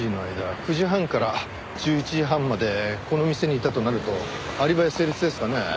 ９時半から１１時半までこの店にいたとなるとアリバイ成立ですかね？